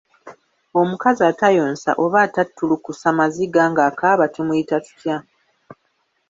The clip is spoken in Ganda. Omukazi atayonsa oba atattulukusa maziga ng’akaaba tumuyita tutya?